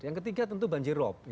yang ketiga tentu banjir rop